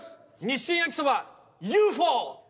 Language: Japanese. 日清焼そばＵ．Ｆ．Ｏ．！